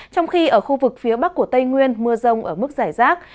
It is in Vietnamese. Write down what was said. trong khi ở khu vực phía bắc của tây nguyên mưa rông ở mức giải rác